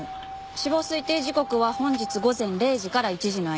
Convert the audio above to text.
死亡推定時刻は本日午前０時から１時の間。